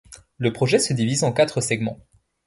Le projet se divise en quatre segments.